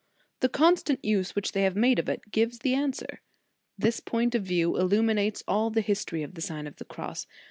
The constant use which they have made of it, gives the answer. This point of view illuminates all the history of the Sign of the Cross.